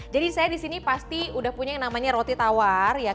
jadi saya disini pasti udah punya yang namanya roti tawar